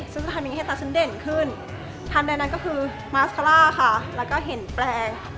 ฉันจะทำยังไงให้ตาฉันเด่นขึ้นทำในนั้นก็คือมาสคาล่าค่ะแล้วก็เห็นแปลง